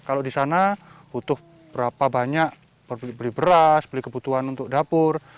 kalau di sana butuh berapa banyak beli beras beli kebutuhan untuk dapur